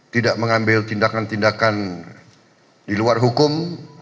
tidak mengambil tindakan tindakan di luar hukum